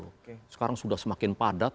karena sekarang sudah semakin padat